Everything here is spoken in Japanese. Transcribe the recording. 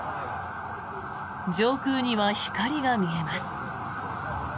上空には光が見えます。